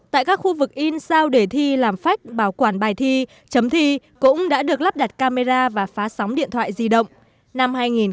tại các khu vực in sao để thi làm phách bảo quản bài thi chấm thi cũng đã được lắp đặt camera và phá sóng điện thoại di động